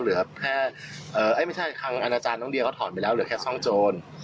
หรือแค่ตั้งอนาจารย์เค้าถอดไปแล้วเหลือแค่ซ่องโจร์